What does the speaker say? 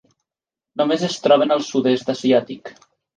Només es troben al sud-est asiàtic.